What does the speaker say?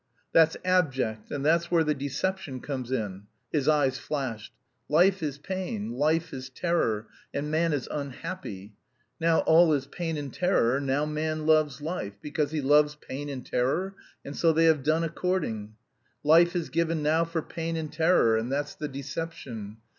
"That's abject; and that's where the deception comes in." His eyes flashed. "Life is pain, life is terror, and man is unhappy. Now all is pain and terror. Now man loves life, because he loves pain and terror, and so they have done according. Life is given now for pain and terror, and that's the deception.